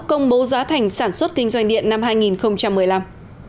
công bố giá thành sản xuất kinh doanh điện năm hai nghìn một mươi năm